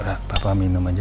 udah papa minum aja